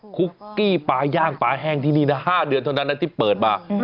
คุกกี้ปลาย่างปลาแห้งที่นี่นะ๕เดือนจนตลาดไปถือเปิดมา